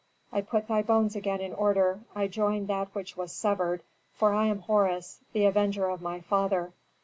I put thy bones again in order; I join that which was severed, for I am Horus, the avenger of my father.